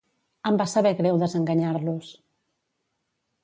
em va saber greu desenganyar-los